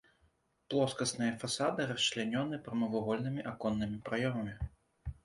Плоскасныя фасады расчлянёны прамавугольнымі аконнымі праёмамі.